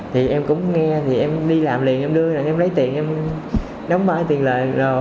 thì em cũng nghe em đi làm liền em đưa em lấy tiền em đóng ba tiền lời đồ đó